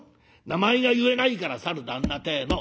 名前が言えないから『さる旦那』てえの」。